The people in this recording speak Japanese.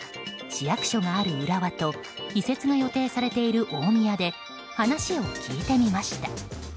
市役所がある浦和と移設が予定されている大宮で話を聞いてみました。